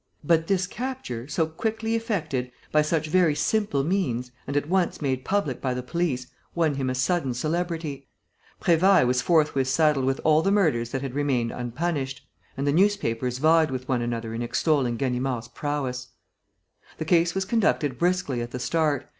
But this capture, so quickly effected, by such very simple means, and at once made public by the police, won him a sudden celebrity. Prévailles was forthwith saddled with all the murders that had remained unpunished; and the newspapers vied with one another in extolling Ganimard's prowess. The case was conducted briskly at the start.